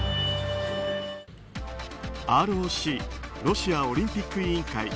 ＲＯＣ・ロシアオリンピック委員会